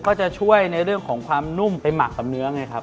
ก็จะช่วยในเรื่องของความนุ่มไปหมักกับเนื้อไงครับ